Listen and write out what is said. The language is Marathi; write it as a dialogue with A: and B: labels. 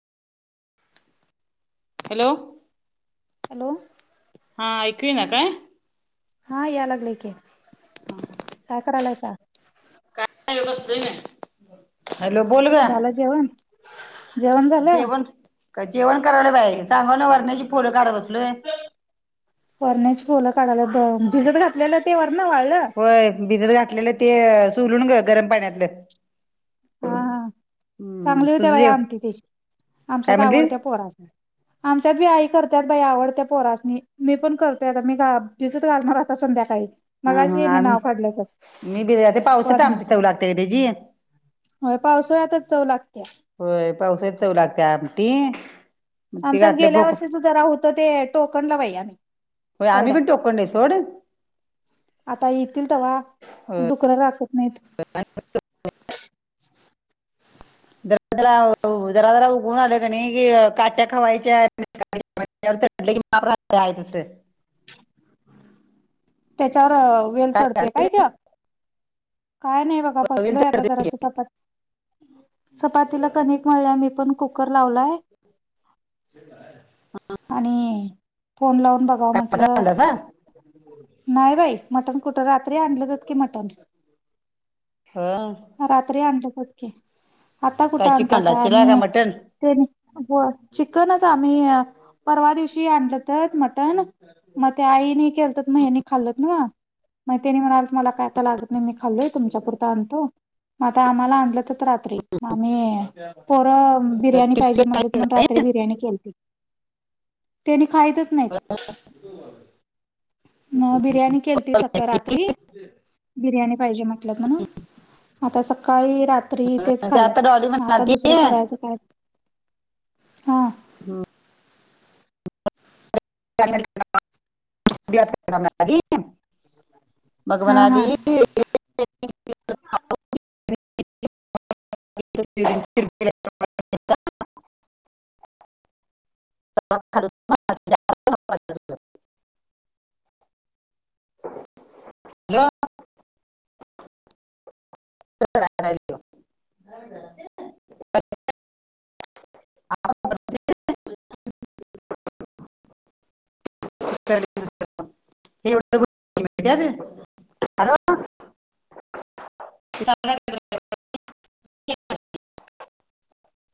A: हॅलो
B: हॅलो
A: हा ऐकू इ ना काय?
B: हा यालागले की
A: हां
B: काय करायलास.
A: बसली हॅलो बोल ग
B: झालं जेवण जेवण झालं
A: जेवण का जेवण करायलं बाई सांग ना वरण्याची फुलं काढत बसलोय.
B: वरण्याची फुलं काढायला भिजत घातलेलं ते वरण वाळलं.
A: होय भिजत घातलेलं ते सुलून ग गरम पाण्यातलं
B: हा हा
A: हम्म
B: चांगली होते
A: तुझं
B: बाई
A: जेव
B: आमटी त्याची
A: काय
B: आमच्यात
A: म्हणली
B: आवडत्या पोरासन आमच्यात बी आई करत्यात बाई आवडत पोरासनी मी पण करतेय मी आता गावाक भिजत घाल मलग आता संध्याकाळी
A: हा हा
B: मगाशी हेनी नाव काढलं बघ
A: आम्ही मी भिजाया घालते पावसात आमटी
B: वरणाचं
A: चव लागते ना त्याची
B: होय पावसाळ्यातच चव लागतेया.
A: होय पावसाळयात चव लागते आमटी मग ते
B: आमच्यात
A: घातले
B: गेल्या
A: भोक
B: वर्षीच जरा होतं ते टोकनला पाहिल आम्ही
A: हो आम्ही
B: परड्यात
A: पण टोकण नाही सोडून
B: आता येतील तेवा डुकरं राखत नाहीत.
A: काय पण [unintelligible] जरा जरा उभ आलं का नी की काट्या खावायच्या म्हटलं की माप आहे तस
B: त्याच्यावर वेल चढतेय काय त्या काय नाही बघा बसलोय आता जरासं चपात चपातीला कनिक मळल्या मी पण कुकर लावलाय. आणि फोन लावून बघाव म्हटलं.
A: काय
B: नाही बाई मटन कुठ रात्री आणलंत की मटन
A: हॅलो
B: रात्री आणलंत की आता कुठं
A: चिकन
B: आणतसा आणि
A: लाचीला का मटन
B: ते हो चिकनच आम्ही परवा दिवशी आणलं तर मटण मग ते आईने केलतत मग ह्यांनी खाल्लत ना मग त्यानी म्हणालत मला काय आता लागत नाही मी खालोय तुमच्यापुरत आणतो. मग आता आम्हाला आणलं तर रात्री मग आम्ही पोरं बिर्याणी
A: ते
B: पाहिजे म्हणलेत मग रात्री बिर्याणी केलती. त्यांनी खायतच नाहीत. न बिर्याणी केलती सका रात्री बिर्याणी पाहिजे म्हटलत म्हणून आता सकाळी रात्री तेच
A: आता डॉली
B: खाल्यात आता दुसरं करायचं काय हा
A: [unintelligible] मग
B: हा
A: म्हणाली
B: हा
A: [unintelligible] [unintelligible] [unintelligible] [unintelligible] [unintelligible] [unintelligible] [unintelligible] [unintelligible]